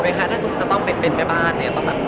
ไม่ใช่ไม่เป็นให้เป็นคุณลุง